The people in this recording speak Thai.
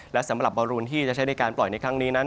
และสำหรับบอลรูนที่จะใช้ในการปล่อยในครั้งนี้นั้น